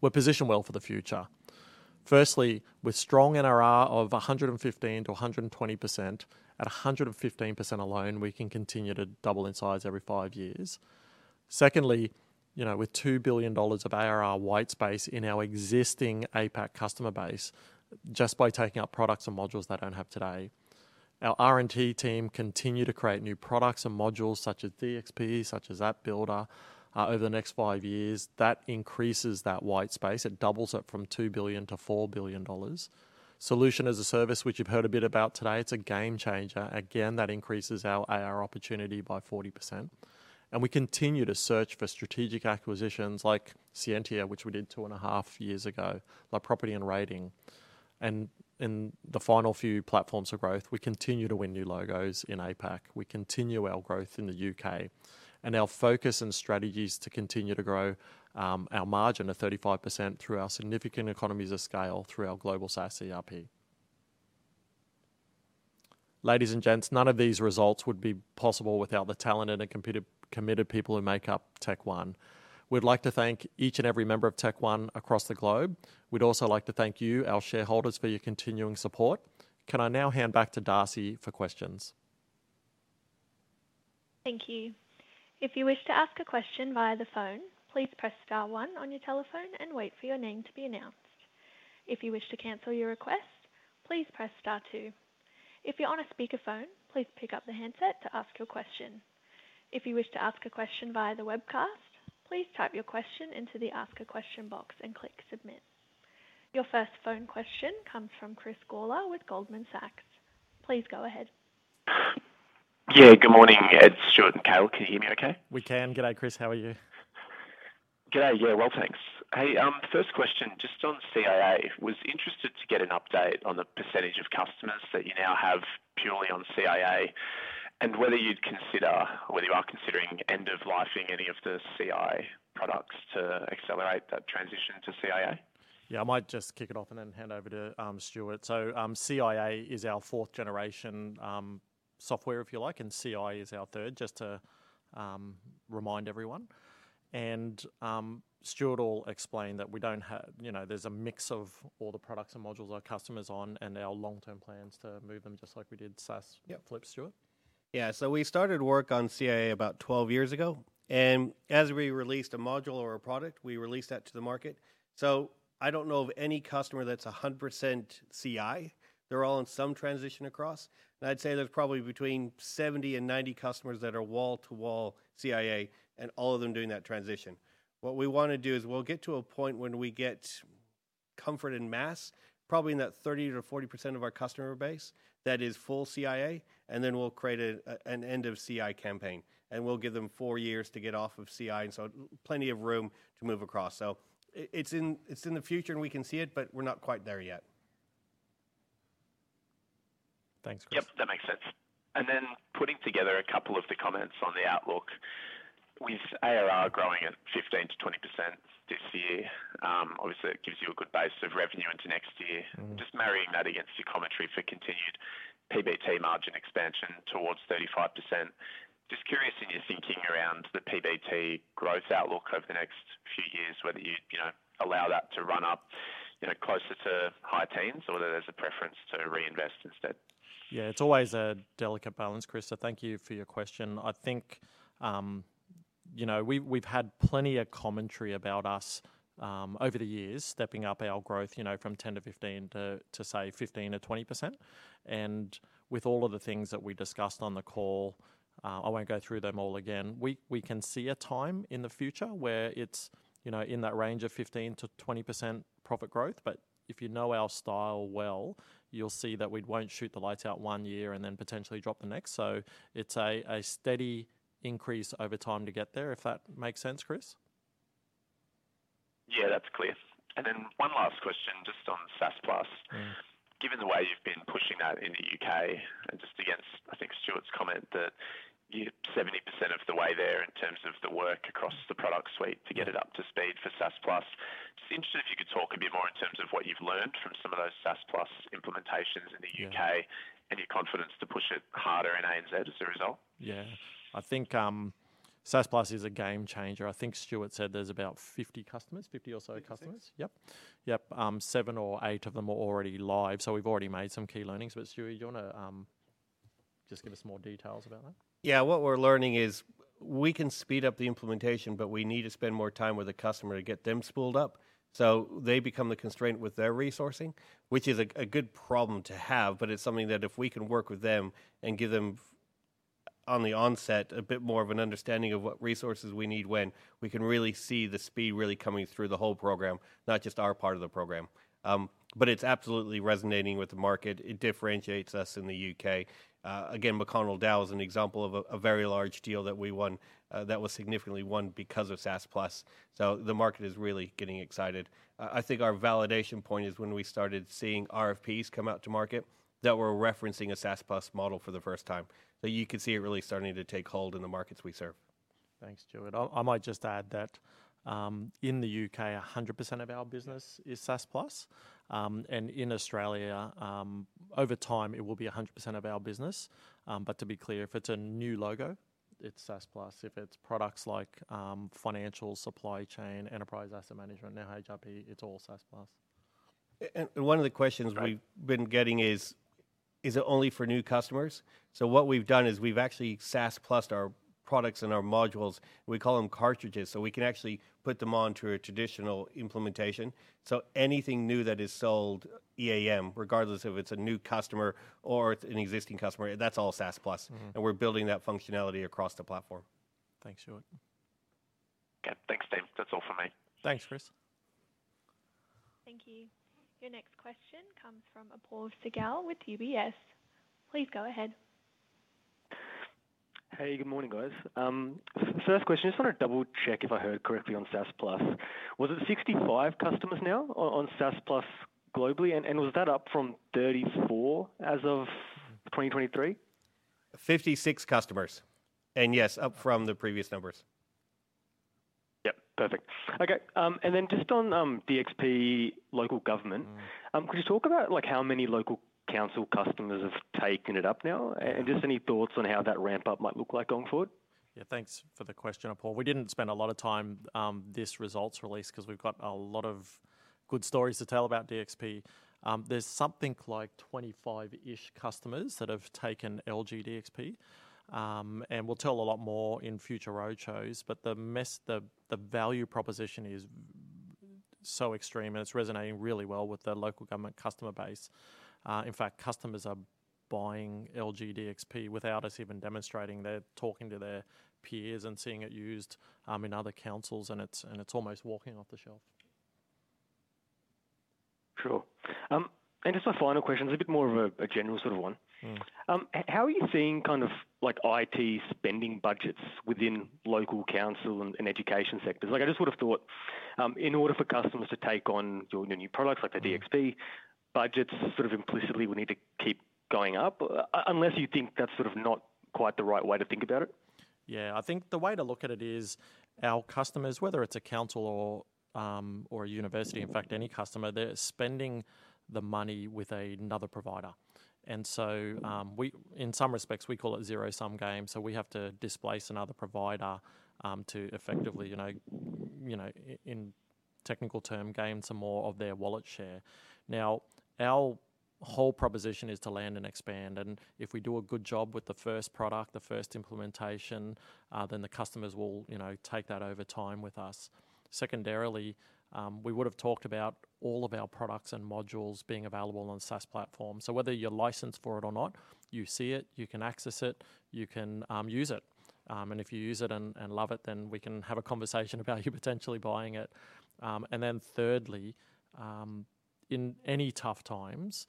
We're positioned well for the future. Firstly, with strong NRR of 115%-120%, at 115% alone, we can continue to double in size every five years. Secondly, you know, with 2 billion dollars of ARR white space in our existing APAC customer base, just by taking out products and modules they don't have today. Our R&D team continue to create new products and modules such as DXP, such as App Builder. Over the next five years, that increases that white space. It doubles it from 2 billion to 4 billion dollars. Solution as a service, which you've heard a bit about today, it's a game changer. Again, that increases our ARR opportunity by 40%. We continue to search for strategic acquisitions like Scientia, which we did 2.5 years ago, like Property and Rating. In the final few platforms of growth, we continue to win new logos in APAC. We continue our growth in the U.K., and our focus and strategy is to continue to grow our margin of 35% through our significant economies of scale through our global SaaS ERP. Ladies and gents, none of these results would be possible without the talented and committed people who make up TechOne. We'd like to thank each and every member of TechOne across the globe. We'd also like to thank you, our shareholders, for your continuing support. Can I now hand back to Darcy for questions? Thank you. If you wish to ask a question via the phone, please press star one on your telephone and wait for your name to be announced. If you wish to cancel your request, please press star two. If you're on a speakerphone, please pick up the handset to ask your question. If you wish to ask a question via the webcast, please type your question into the Ask a Question box and click Submit. Your first phone question comes from Chris Gawler with Goldman Sachs. Please go ahead. Yeah, good morning, Ed, Stuart, and Cale. Can you hear me okay? We can. Good day, Chris. How are you? Good day. Yeah, well, thanks. Hey, first question, just on CIA, was interested to get an update on the percentage of customers that you now have purely on CIA, and whether you'd consider... or whether you are considering end-of-lifing any of the CI products to accelerate that transition to CIA? Yeah, I might just kick it off and then hand over to, Stuart. So, CiA is our fourth generation, software, if you like, and Ci is our third, just to, remind everyone. And, Stuart will explain that we don't have-- you know, there's a mix of all the products and modules our customers on and our long-term plans to move them, just like we did SaaS- Yep... flip, Stuart. Yeah, so we started work on CiA about 12 years ago, and as we released a module or a product, we released that to the market. So I don't know of any customer that's 100% Ci. They're all in some transition across. And I'd say there's probably between 70 and 90 customers that are wall-to-wall CiA and all of them doing that transition. What we wanna do is we'll get to a point when we get comfort in mass, probably in that 30%-40% of our customer base, that is full CiA, and then we'll create an end of Ci campaign, and we'll give them 4 years to get off of Ci, and so plenty of room to move across. So it's in the future, and we can see it, but we're not quite there yet. Thanks, Chris. Yep, that makes sense. And then putting together a couple of the comments on the outlook. With ARR growing at 15%-20% this year, obviously it gives you a good base of revenue into next year. Mm. Just marrying that against your commentary for continued PBT margin expansion towards 35%, just curious in your thinking around the PBT growth outlook over the next few years, whether you'd, you know, allow that to run up, you know, closer to high teens, or whether there's a preference to reinvest instead? Yeah, it's always a delicate balance, Chris, so thank you for your question. I think, you know, we've had plenty of commentary about us over the years, stepping up our growth, you know, from 10% to 15% to, say, 15%-20%. And with all of the things that we discussed on the call, I won't go through them all again. We can see a time in the future where it's, you know, in that range of 15%-20% profit growth, but if you know our style well, you'll see that we won't shoot the lights out one year and then potentially drop the next. So it's a steady increase over time to get there, if that makes sense, Chris? Yeah, that's clear. And then one last question, just on SaaS+. Mm. Given the way you've been pushing that in the U.K., and just against, I think, Stuart's comment, that you're 70% of the way there in terms of the work across the product suite to get it up to speed for SaaS+, just interested if you could talk a bit more in terms of what you've learned from some of those SaaS+ implementations in the U.K.- Yeah... and your confidence to push it harder in ANZ as a result. Yeah. I think, SaaS+ is a game changer. I think Stuart said there's about 50 customers, 50 or so customers. 56. Yep. Yep, seven or eight of them are already live, so we've already made some key learnings. But, Stuart, do you wanna just give us more details about that? Yeah. What we're learning is we can speed up the implementation, but we need to spend more time with the customer to get them spooled up. So they become the constraint with their resourcing, which is a good problem to have, but it's something that if we can work with them and give them, on the onset, a bit more of an understanding of what resources we need when, we can really see the speed really coming through the whole program, not just our part of the program. But it's absolutely resonating with the market. It differentiates us in the U.K.. Again, McConnell Dowell is an example of a very large deal that we won, that was significantly won because of SaaS+. So the market is really getting excited. I think our validation point is when we started seeing RFPs come out to market that were referencing a SaaS+ model for the first time. You could see it really starting to take hold in the markets we serve. Thanks, Stuart. I might just add that, in the U.K., 100% of our business is SaaS+. And in Australia, over time, it will be 100% of our business. But to be clear, if it's a new logo, it's SaaS+. If it's products like, financial, supply chain, enterprise asset management, now HRP, it's all SaaS+. One of the questions- Right... we've been getting is: Is it only for new customers? So what we've done is we've actually SaaS+ our products and our modules. We call them cartridges. So we can actually put them onto a traditional implementation. So anything new that is sold, EAM, regardless of if it's a new customer or it's an existing customer, that's all SaaS+. Mm-hmm. We're building that functionality across the platform. Thanks, Stuart. Yep. Thanks, team. That's all for me. Thanks, Chris. Thank you. Your next question comes from Paul Segal with UBS. Please go ahead. Hey, good morning, guys. First question, just wanna double-check if I heard correctly on SaaS+. Was it 65 customers now on SaaS+ globally? And was that up from 34 as of 2023? 56 customers, and yes, up from the previous numbers. Yep, perfect. Okay, and then just on DXP Local Government- Mm. Could you talk about, like, how many local council customers have taken it up now? Mm. Just any thoughts on how that ramp up might look like going forward? Yeah, thanks for the question, Paul. We didn't spend a lot of time this results release, 'cause we've got a lot of good stories to tell about DXP. There's something like 25-ish customers that have taken LG DXP. And we'll tell a lot more in future roadshows, but the message—the value proposition is really so extreme, and it's resonating really well with the local government customer base. In fact, customers are buying LG DXP without us even demonstrating. They're talking to their peers and seeing it used in other councils, and it's almost walking off the shelf. Sure. Just my final question is a bit more of a general sort of one. Mm. How are you seeing kind of like IT spending budgets within local council and, and education sectors? Like, I just would have thought, in order for customers to take on your new products, like the DXP, budgets sort of implicitly would need to keep going up. Unless you think that's sort of not quite the right way to think about it. Yeah, I think the way to look at it is our customers, whether it's a council or a university, in fact, any customer, they're spending the money with another provider. And so, in some respects, we call it zero-sum game, so we have to displace another provider to effectively, you know, you know, in technical term, gain some more of their wallet share. Now, our whole proposition is to land and expand, and if we do a good job with the first product, the first implementation, then the customers will, you know, take that over time with us. Secondarily, we would have talked about all of our products and modules being available on SaaS platform. So whether you're licensed for it or not, you see it, you can access it, you can use it. And if you use it and, and love it, then we can have a conversation about you potentially buying it. And then thirdly, in any tough times,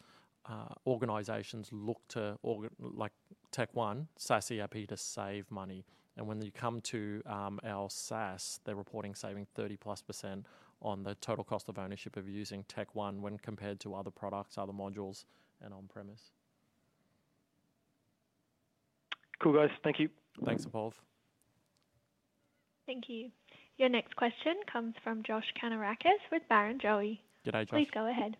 organizations look to organizations like TechOne, SaaS ERP to save money. And when they come to our SaaS, they're reporting saving 30%+ on the total cost of ownership of using TechOne when compared to other products, other modules, and on-premise. Cool, guys. Thank you. Thanks, Paul. Thank you. Your next question comes from Josh Kannourakis with Barrenjoey. G'day, Josh. Please go ahead.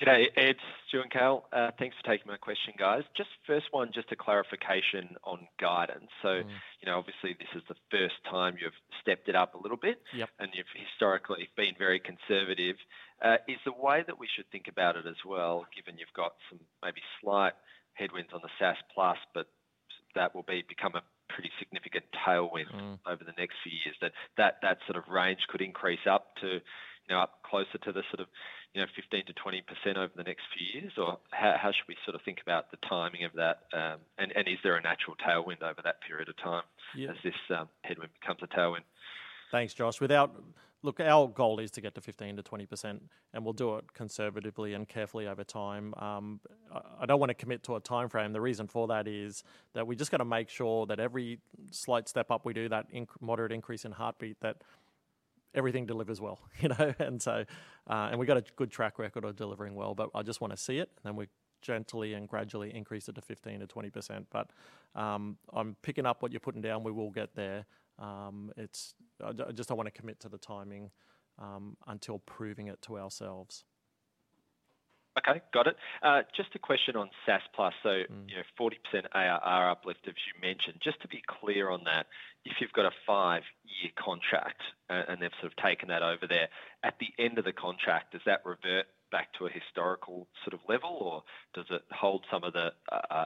G'day, Ed, Stuart, Cale. Thanks for taking my question, guys. Just first one, just a clarification on guidance. Mm. So, you know, obviously, this is the first time you've stepped it up a little bit- Yep... and you've historically been very conservative. Is the way that we should think about it as well, given you've got some maybe slight headwinds on the SaaS+, but that will be become a pretty significant tailwind- Mm... over the next few years, that sort of range could increase up to, you know, up closer to the sort of, you know, 15%-20% over the next few years? Or how should we sort of think about the timing of that, and is there a natural tailwind over that period of time- Yeah... as this headwind becomes a tailwind? Thanks, Josh. Look, our goal is to get to 15%-20%, and we'll do it conservatively and carefully over time. I don't wanna commit to a timeframe. The reason for that is that we just gotta make sure that every slight step up we do, that moderate increase in heartbeat, that everything delivers well, you know? And we've got a good track record of delivering well, but I just wanna see it, and then we gently and gradually increase it to 15%-20%. But, I'm picking up what you're putting down, we will get there. It's... I just don't wanna commit to the timing, until proving it to ourselves. Okay, got it. Just a question on SaaS+. Mm. So, you know, 40% ARR uplift, as you mentioned. Just to be clear on that, if you've got a 5-year contract, and they've sort of taken that over there, at the end of the contract, does that revert back to a historical sort of level, or does it hold some of the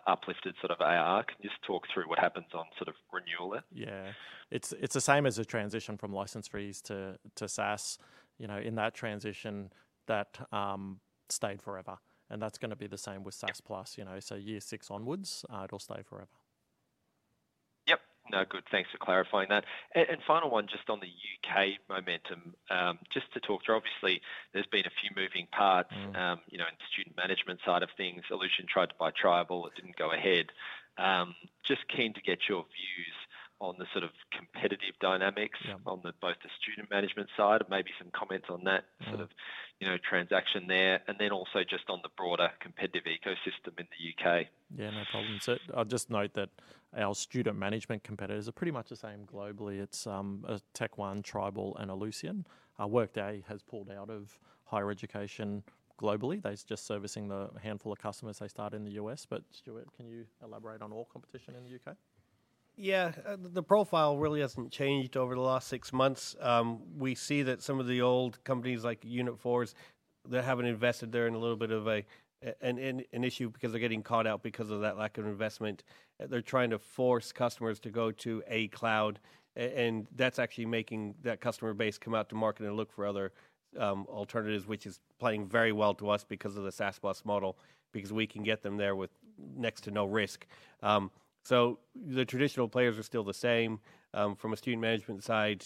uplifted sort of ARR? Can you just talk through what happens on sort of renewal there? Yeah. It's the same as the transition from license fees to SaaS. You know, in that transition, that stayed forever, and that's gonna be the same with SaaS+. Mm. You know, so year six onwards, it'll stay forever. Yep. No, good, thanks for clarifying that. And final one, just on the U.K. momentum, just to talk through, obviously, there's been a few moving parts- Mm... you know, in the student management side of things. Ellucian tried to buy Tribal. It didn't go ahead. Just keen to get your views on the sort of competitive dynamics. Yep... on both the Student Management side, and maybe some comments on that- Mm... sort of, you know, transaction there, and then also just on the broader competitive ecosystem in the U.K. Yeah, no problem. So I'll just note that our student management competitors are pretty much the same globally. It's TechOne, Tribal, and Ellucian. Workday has pulled out of higher education globally. They're just servicing the handful of customers they start in the U.S.. But Stuart, can you elaborate on all competition in the U.K.? Yeah. The profile really hasn't changed over the last six months. We see that some of the old companies, like Unit4, they haven't invested there in a little bit of an issue because they're getting caught out because of that lack of investment. They're trying to force customers to go to a cloud, and that's actually making that customer base come out to market and look for other alternatives, which is playing very well to us because of the SaaS+ model, because we can get them there with next to no risk. So the traditional players are still the same. From a student management side,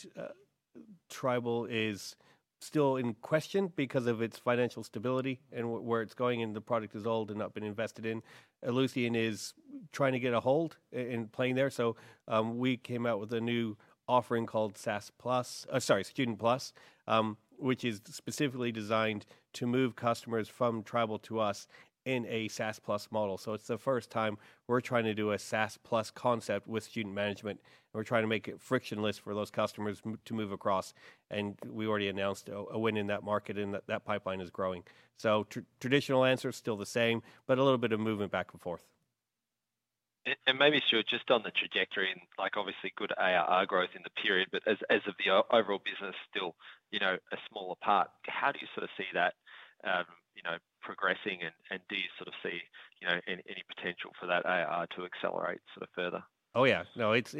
Tribal is still in question because of its financial stability and where it's going, and the product is old and not been invested in. Ellucian is trying to get a hold in playing there, so, we came out with a new offering called SaaS+—Student Plus, which is specifically designed to move customers from Tribal to us in a SaaS+ model. So it's the first time we're trying to do a SaaS+ concept with student management, and we're trying to make it frictionless for those customers to move across, and we already announced a win in that market, and that pipeline is growing. So traditional answer is still the same, but a little bit of movement back and forth. And maybe, Stuart, just on the trajectory, and like, obviously, good ARR growth in the period, but as of the overall business still, you know, all apart, how do you sort of see that, you know, progressing, and do you sort of see, you know, any potential for that ARR to accelerate sort of further? Oh, yeah. No, it's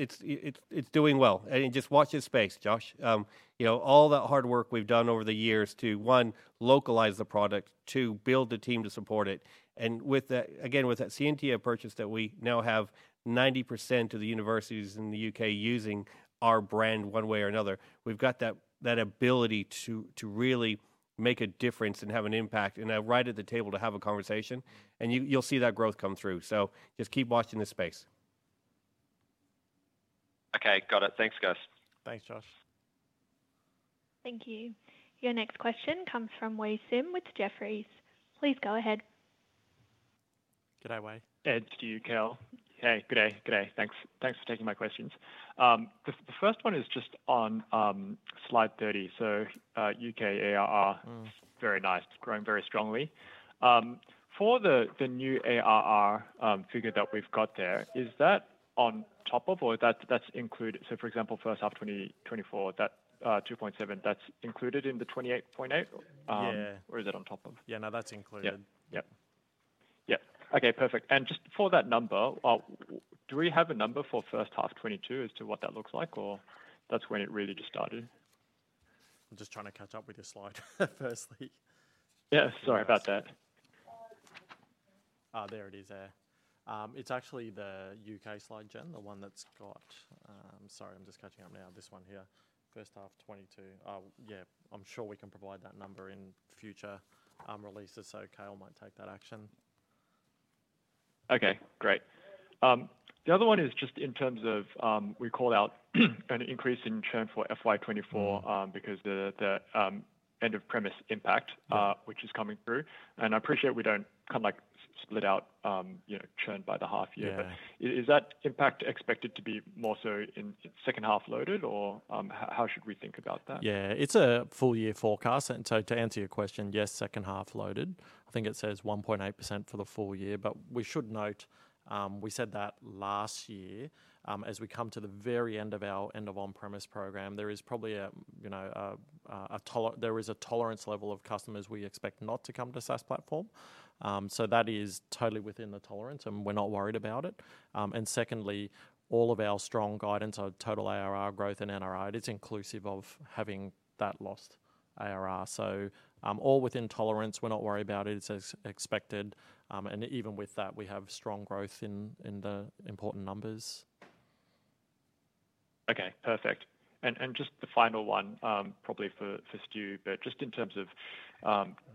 doing well, and just watch this space, Josh. You know, all that hard work we've done over the years to one, localize the product, two, build the team to support it. And with that, again, with that Scientia purchase that we now have 90% of the universities in the U.K. using our brand one way or another. We've got that ability to really make a difference and have an impact, and right at the table to have a conversation, and you'll see that growth come through. So just keep watching this space. Okay. Got it. Thanks, guys. Thanks, Josh. Thank you. Your next question comes from ZheWei Sim with Jefferies. Please go ahead. G'day, Wei. Ed, Stu, Cale. Hey, good day. Good day. Thanks. Thanks for taking my questions. The first one is just on slide 30. So, U.K. ARR- Mm. Very nice, it's growing very strongly. For the new ARR figure that we've got there, is that on top of or that's included? So for example, first half 2024, that 2.7, that's included in the 28.8? Yeah. Or is it on top of? Yeah, no, that's included. Yeah. Yep. Yeah. Okay, perfect. And just for that number, do we have a number for first half 2022 as to what that looks like, or that's when it really just started? I'm just trying to catch up with your slide, firstly. Yeah, sorry about that. Uh, There it is there. It's actually the U.K. slide, Jen, the one that's got... Sorry, I'm just catching up now. This one here, first half 2022. Yeah, I'm sure we can provide that number in future releases, so Cale might take that action. Okay, great. The other one is just in terms of, we called out an increase in churn for FY 2024- Mm ...because the end of on-premise impact- Yeah ...which is coming through. I appreciate we don't kind of like split out, you know, churn by the half year. Yeah. But is that impact expected to be more so in second half loaded, or how should we think about that? Yeah, it's a full year forecast. And so to answer your question, yes, second half loaded. I think it says 1.8% for the full year, but we should note, we said that last year. As we come to the very end of our end of on-premise program, there is probably a, you know, a tolerance level of customers we expect not to come to SaaS platform. So that is totally within the tolerance, and we're not worried about it. And secondly, all of our strong guidance on total ARR growth and NRR, it is inclusive of having that lost ARR. So, all within tolerance, we're not worried about it. It's as expected, and even with that, we have strong growth in the important numbers. Okay, perfect. And, and just the final one, probably for, for Stu, but just in terms of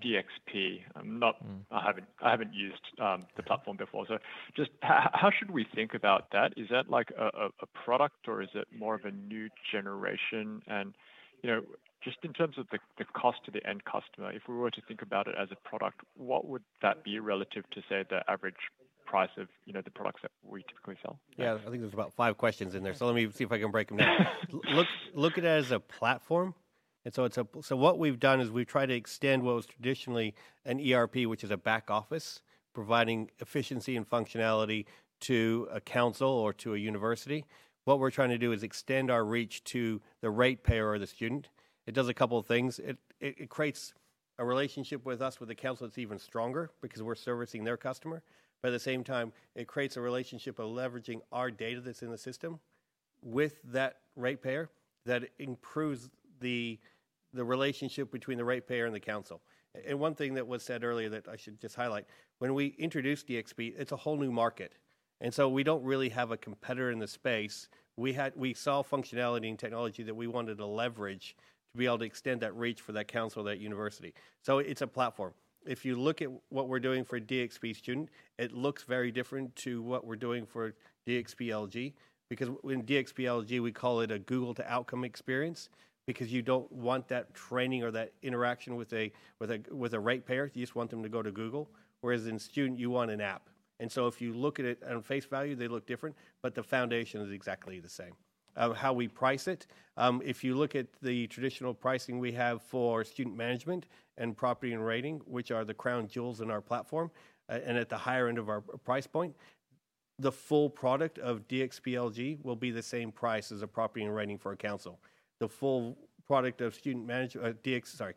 DXP. Mm. I'm not. I haven't used the platform before. So just how should we think about that? Is that like a product, or is it more of a new generation? And, you know, just in terms of the cost to the end customer, if we were to think about it as a product, what would that be relative to, say, the average price of, you know, the products that we typically sell? Yeah, I think there's about five questions in there, so let me see if I can break them down. Look at it as a platform, and so what we've done is we've tried to extend what was traditionally an ERP, which is a back office, providing efficiency and functionality to a council or to a university. What we're trying to do is extend our reach to the ratepayer or the student. It does a couple of things. It creates a relationship with us, with the council that's even stronger because we're servicing their customer. But at the same time, it creates a relationship of leveraging our data that's in the system with that ratepayer, that improves the relationship between the ratepayer and the council. One thing that was said earlier that I should just highlight, when we introduced DXP, it's a whole new market, and so we don't really have a competitor in the space. We saw functionality and technology that we wanted to leverage to be able to extend that reach for that council or that university. So it's a platform. If you look at what we're doing for DXP Student, it looks very different to what we're doing for DXP LG, because in DXP LG, we call it a Google to outcome experience, because you don't want that training or that interaction with a ratepayer. You just want them to go to Google, whereas in Student, you want an app. And so if you look at it on face value, they look different, but the foundation is exactly the same. How we price it, if you look at the traditional pricing we have for Student Management and Property and Rating, which are the crown jewels in our platform, and at the higher end of our price point, the full product of DXP LG will be the same price as a Property and Rating for a council. The full product of Student DXP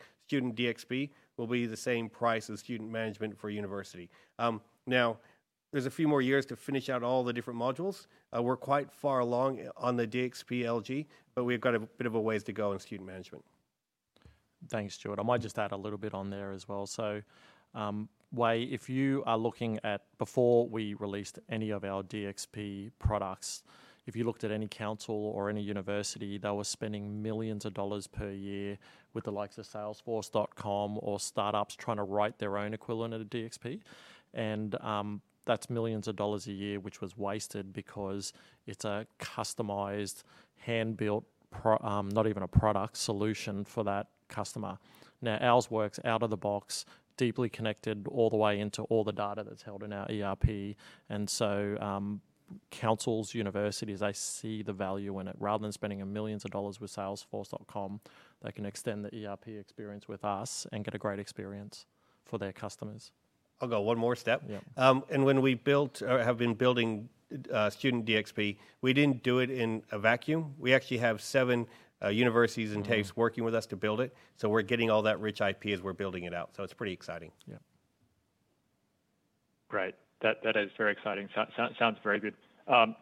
will be the same price as Student Management for a university. Now, there's a few more years to finish out all the different modules. We're quite far along on the DXP LG, but we've got a bit of a ways to go in Student Management. Thanks, Stuart. I might just add a little bit on there as well. So, Wei, if you are looking at before we released any of our DXP products, if you looked at any council or any university, they were spending millions dollars per year with the likes of Salesforce.com or startups trying to write their own equivalent of DXP. And, that's millions dollars a year, which was wasted because it's a customized, hand-built, not even a product, solution for that customer. Now, ours works out of the box, deeply connected all the way into all the data that's held in our ERP, and so, councils, universities, they see the value in it. Rather than spending millions dollars with Salesforce.com, they can extend the ERP experience with us and get a great experience for their customers. ... I'll go one more step. Yeah. when we built or have been building Student DXP, we didn't do it in a vacuum. We actually have seven universities- Mm-hmm and TAFEs working with us to build it, so we're getting all that rich IP as we're building it out, so it's pretty exciting. Yeah. Great. That is very exciting. Sounds very good.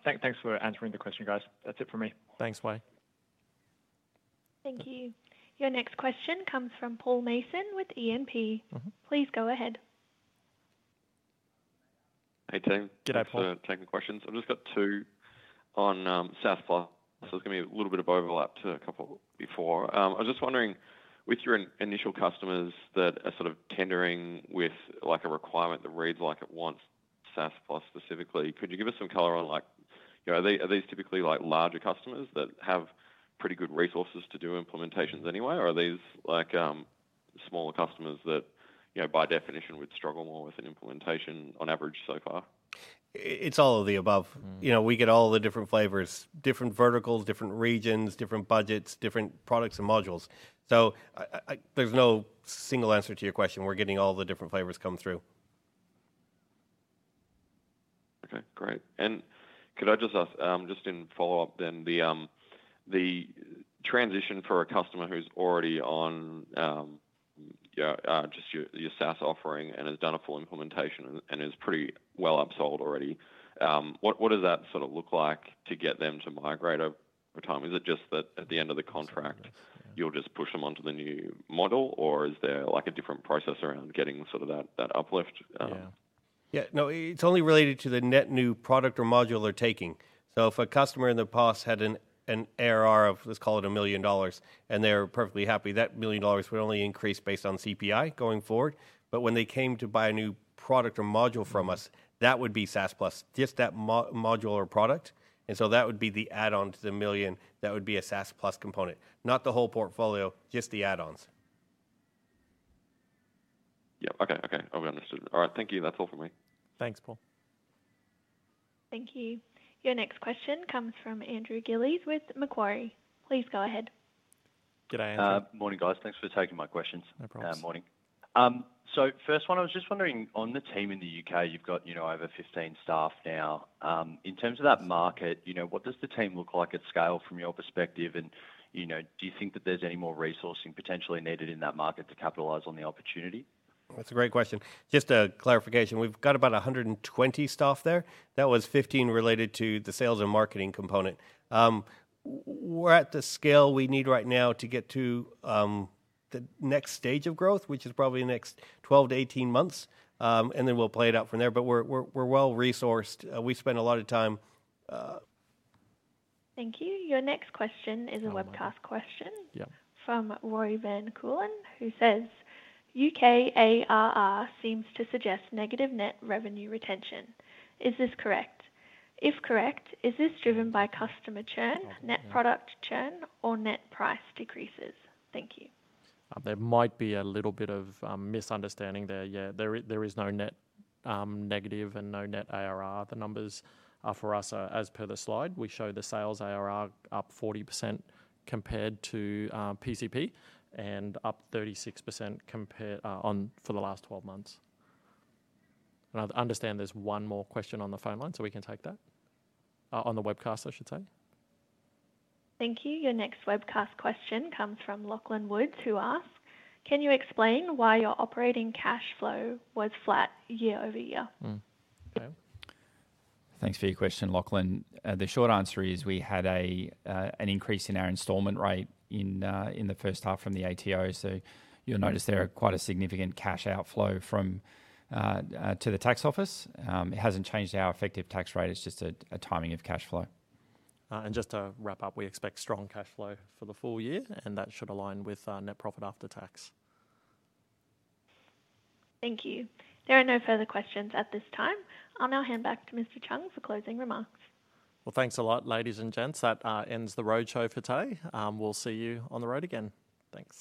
Thanks for answering the question, guys. That's it for me. Thanks, ZheWei. Thank you. Your next question comes from Paul Mason with E&P. Mm-hmm. Please go ahead. Hey, team. G'day, Paul. Thanks for taking the questions. I've just got two on, SaaS+. So there's gonna be a little bit of overlap to a couple before. I was just wondering, with your initial customers that are sort of tendering with, like, a requirement that reads like it wants SaaS+ specifically, could you give us some color on, like, you know, are they, are these typically like larger customers that have pretty good resources to do implementations anyway? Or are these like, smaller customers that, you know, by definition, would struggle more with an implementation on average so far? It's all of the above. Mm. You know, we get all the different flavors, different verticals, different regions, different budgets, different products and modules. So... There's no single answer to your question. We're getting all the different flavors come through. Okay, great. And could I just ask, just in follow-up then, the transition for a customer who's already on just your SaaS offering and has done a full implementation and is pretty well upsold already, what does that sort of look like to get them to migrate over time? Is it just that at the end of the contract-... Yes You'll just push them onto the new model, or is there, like, a different process around getting sort of that, that uplift? Yeah. Yeah, no, it's only related to the net new product or module they're taking. So if a customer in the past had an ARR of, let's call it 1 million dollars, and they're perfectly happy, that 1 million dollars would only increase based on CPI going forward. But when they came to buy a new product or module from us, that would be SaaS+, just that module or product, and so that would be the add-on to the 1 million. That would be a SaaS+ component. Not the whole portfolio, just the add-ons. Yeah. Okay, okay. All understood. All right, thank you. That's all from me. Thanks, Paul. Thank you. Your next question comes from Andrew Gillies with Macquarie. Please go ahead. G'day, Andrew. Morning, guys. Thanks for taking my questions. No problems. Morning. So first one, I was just wondering, on the team in the U.K., you've got, you know, over 15 staff now. In terms of that market, you know, what does the team look like at scale from your perspective, and, you know, do you think that there's any more resourcing potentially needed in that market to capitalize on the opportunity? That's a great question. Just a clarification, we've got about 120 staff there. That was 15 related to the sales and marketing component. We're at the scale we need right now to get to the next stage of growth, which is probably the next 12-18 months, and then we'll play it out from there, but we're well-resourced. We spend a lot of time, Thank you. Your next question- Um -is a webcast question- Yeah From Rory van Koolen, who says: "U.K. ARR seems to suggest negative net revenue retention. Is this correct? If correct, is this driven by customer churn? Oh, yeah Net product churn, or net price decreases? Thank you. There might be a little bit of misunderstanding there. Yeah, there is, there is no net negative and no net ARR. The numbers for us are as per the slide. We show the sales ARR up 40% compared to PCP and up 36% compared on for the last 12 months. And I understand there's one more question on the phone line, so we can take that. On the webcast, I should say. Thank you. Your next webcast question comes from Lachlan Woods, who asks: "Can you explain why your operating cash flow was flat year over year? Mm. Cale? Thanks for your question, Lachlan. The short answer is we had an increase in our installment rate in the first half from the ATO, so you'll notice there quite a significant cash outflow from to the tax office. It hasn't changed our effective tax rate, it's just a timing of cash flow. Just to wrap up, we expect strong cash flow for the full year, and that should align with net profit after tax. Thank you. There are no further questions at this time. I'll now hand back to Mr. Chung for closing remarks. Well, thanks a lot, ladies and gents. That ends the roadshow for today. We'll see you on the road again. Thanks.